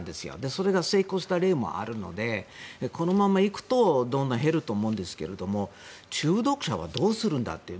それが成功した例もあるのでこのまま行くとどんどん減ると思うんですけど中毒者はどうするんだという。